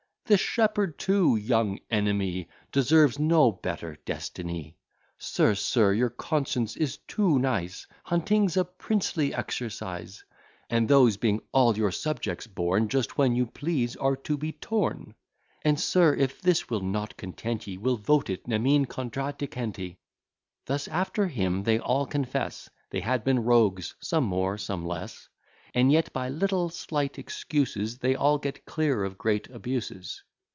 The shepherd too, young enemy, Deserves no better destiny. Sir, sir, your conscience is too nice, Hunting's a princely exercise: And those being all your subjects born, Just when you please are to be torn. And, sir, if this will not content ye, We'll vote it nemine contradicente. Thus after him they all confess, They had been rogues, some more some less; And yet by little slight excuses, They all get clear of great abuses.